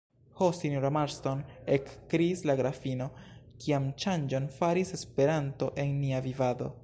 Ho, sinjoro Marston, ekkriis la grafino, kian ŝanĝon faris Esperanto en nia vivado!